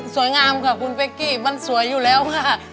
งามค่ะคุณเป๊กกี้มันสวยอยู่แล้วค่ะ